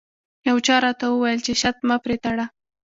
یو چا راته وویل چې شرط مه پرې تړه.